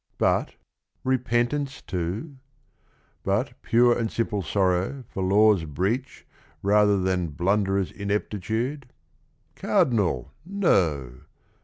"But, repentance too? But pure and simple sorrow for law's breach Rather than blunderer's ineptitude? Cardi nal, no